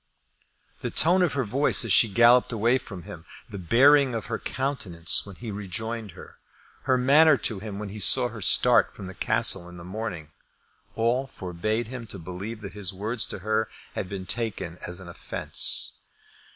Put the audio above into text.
The tone of her voice as she galloped away from him, the bearing of her countenance when he rejoined her, her manner to him when he saw her start from the Castle in the morning, all forbade him to believe that his words to her had been taken as an offence.